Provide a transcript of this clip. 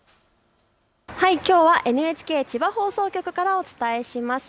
きょうＮＨＫ千葉放送局からお伝えします。